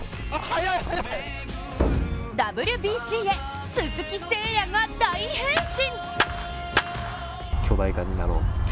ＷＢＣへ、鈴木誠也が大変身。